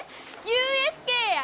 ＵＳＫや！